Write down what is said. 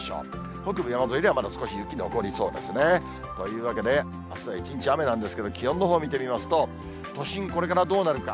北部山沿いでは少し雪残りそうですね。というわけで、あすは一日雨なんですけれども、気温のほう見てみますと、都心、これからどうなるか。